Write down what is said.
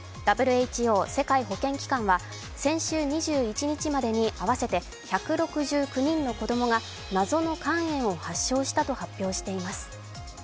ＷＨＯ＝世界保健機関は先週２１日までに合わせて１６９人の子供が謎の肝炎を発症したと発表しています。